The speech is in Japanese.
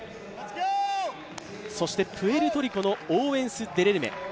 そしてプエルトリコのオーウェンス・デレルメ。